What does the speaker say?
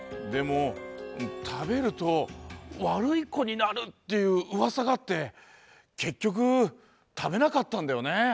でもたべると「わるいこになる」っていううわさがあってけっきょくたべなかったんだよね。